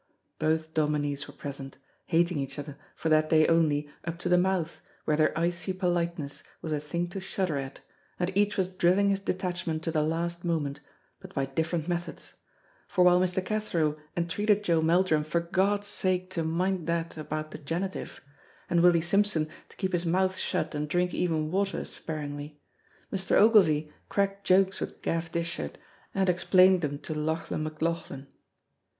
Both dominies were present, hating each other, for that day only, up to the mouth, where their icy politeness was a thing to shudder at, and each was drilling his detachment to the last moment, but by different methods; for while Mr. Cathro entreated Joe Meldrum for God's sake to mind that about the genitive, and Willie Simpson to keep his mouth shut and drink even water sparingly, Mr. Ogilvy cracked jokes with Gav Dishart and explained them to Lauchlan McLauchlan.